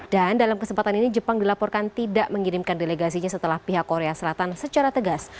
dan dalam kesempatan ini jepang dilaporkan tidak mengirimkan delegasinya setelah pihak korea selatan secara tegas